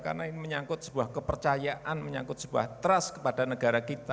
karena ini menyangkut sebuah kepercayaan menyangkut sebuah trust kepada negara kita